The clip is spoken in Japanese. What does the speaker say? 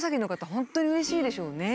本当にうれしいでしょうね。